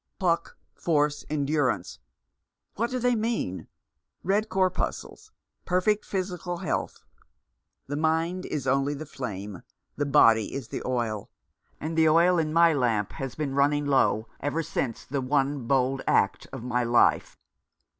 Pluck, force, endurance, what do they mean ? Red corpuscles — perfect physical health. The mind is only the flame, the body is the oil ; and the oil in my lamp has been running low ever since — the one bold act of my life."